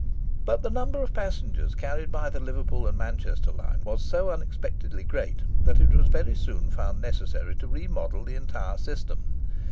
But the number of passengers carried by the Liverpool and Manchester line was so unexpectedly great, that it was very soon found necessary to remodel the entire system.